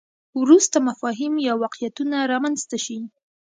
وروسته مفاهیم یا واقعیتونه رامنځته شي.